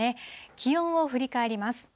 気温を振り返ります。